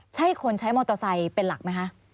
ใช่คนใช้มอเตอร์ไซค์เป็นหลักไหมคะ